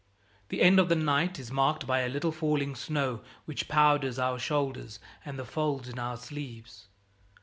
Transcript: The end of the night is marked by a little falling snow which powders our shoulders and the folds in our sleeves.